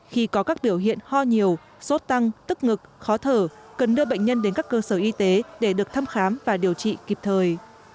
khi có các biểu hiện ho nhiều sốt tăng tức ngực khó thở cần đưa bệnh nhân đến các cơ sở y tế để được thăm khám và điều trị kịp thời